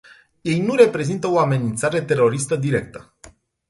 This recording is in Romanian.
Ei nu reprezintă o amenințare teroristă directă.